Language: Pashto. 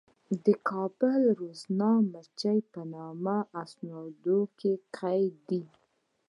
د کابل روزنامچې په نوم اسنادو کې قید دي.